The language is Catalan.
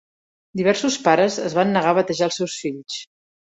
Diversos pares es van negar a batejar els seus fills.